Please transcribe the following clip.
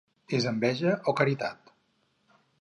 És enveja o caritat?